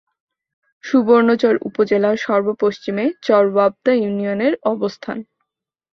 সুবর্ণচর উপজেলার সর্ব-পশ্চিমে চর ওয়াপদা ইউনিয়নের অবস্থান।